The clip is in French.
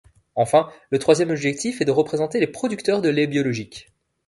Enfin, le troisième objectif est de représenter les producteurs de lait biologique.